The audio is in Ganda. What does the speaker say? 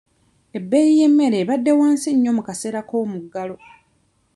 Ebbeeyi y'emmere ebadde wansi nnyo mu kaseera k'omuggalo.